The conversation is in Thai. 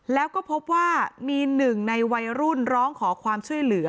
แล้วก็พบว่ามีหนึ่งในวัยรุ่นร้องขอความช่วยเหลือ